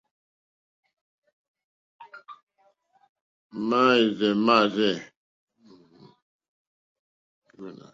Máɛ́rzɛ̀ mâ rzɛ̂.